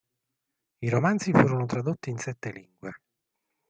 I romanzi furono tradotti in sette lingue.